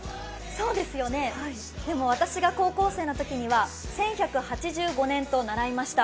でも、私が高校生のときには１１８５年と習いました。